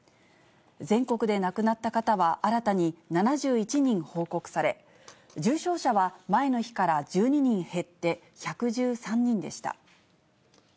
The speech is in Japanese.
全国で亡くなった方は新たに７１人報告され、重症者は前の日から１２人減って１１３人でした。